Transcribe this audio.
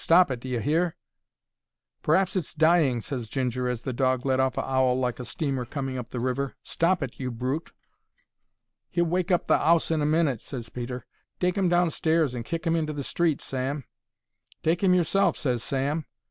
Stop it, d'ye hear!" "P'r'aps it's dying," ses Ginger, as the dog let off a 'owl like a steamer coming up the river. "Stop it, you brute!" "He'll wake the 'ouse up in a minute," ses Peter. "Take 'im downstairs and kick 'im into the street, Sam." "Take 'im yourself," ses Sam.